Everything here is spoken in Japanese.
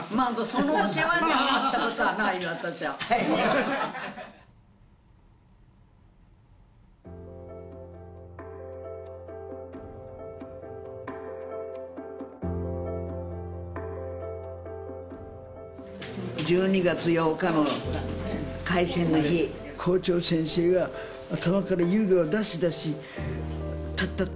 そのお世話にはなったことはない私は１２月８日の開戦の日校長先生が頭から湯気を出し出しタッタッ